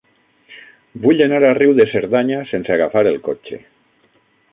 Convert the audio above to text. Vull anar a Riu de Cerdanya sense agafar el cotxe.